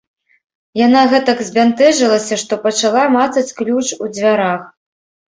Яна гэтак збянтэжылася, што пачала мацаць ключ у дзвярах.